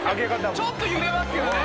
ちょっと揺れますけどね。